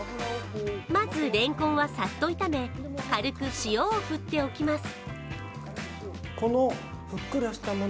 まず、れんこんはさっと炒め、軽く塩を振っておきます。